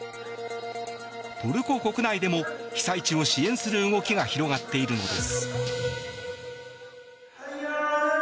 トルコ国内でも被災地を支援する動きが広がっているのです。